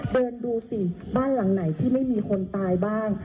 เดินดูสิบ้านหลังไหนที่ไม่มีคนตายบ้าง